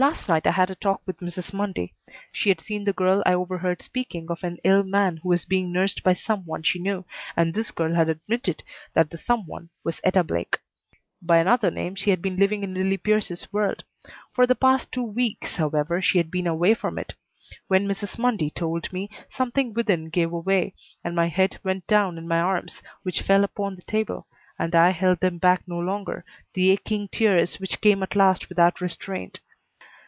Last night I had a talk with Mrs. Mundy. She had seen the girl I overheard speaking of an ill man who was being nursed by some one she knew, and this girl had admitted that the "some one" was Etta Blake. By another name she had been living in Lillie Pierce's world. For the past two weeks, however, she had been away from it. When Mrs. Mundy told me, something within gave way, and my head went down in my arms, which fell upon the table, and I held them back no longer the aching tears which came at last without restraint.